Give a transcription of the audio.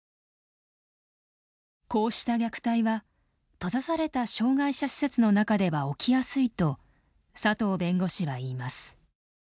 こうした虐待は閉ざされた障害者施設の中では起きやすいと佐藤弁護士はいいます。